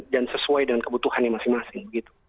dan sesuai dengan kebutuhan yang masing masing